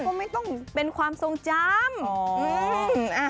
ก็ไม่ต้องเป็นความทรงจำ